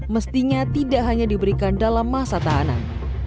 mestinya tidak hanya diberikan dalam masa tahanan